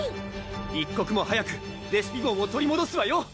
一刻も早くレシピボンを取りもどすわよ！